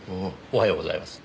おはようございます。